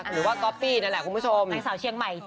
คือก๊อปปี้นั่นแหละคุณผู้ชม